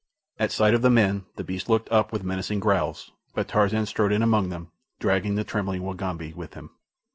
At sight of the men the beasts looked up with menacing growls, but Tarzan strode in among them, dragging the trembling Wagambi with him.